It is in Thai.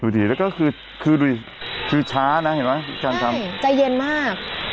ดูดิแล้วคือช้านะเห็นไหมการทำใช่ใจเย็นมาก